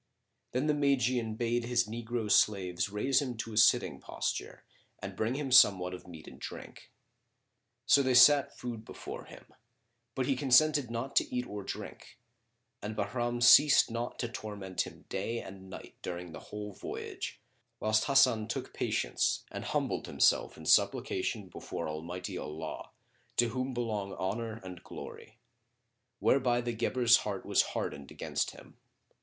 Then the Magian bade his negro slaves raise him to a sitting posture and bring him somewhat of meat and drink. So they sat food before him; but he consented not to eat or drink; and Bahram ceased not to torment him day and night during the whole voyage, whilst Hasan took patience and humbled himself in supplication before Almighty Allah to whom belong Honour and Glory; whereby the Guebre's heart was hardened against him.